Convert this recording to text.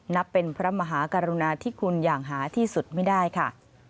นับเป็นพระมหากรุณาที่คุณอย่างหาที่สุดไม่ได้ค่ะ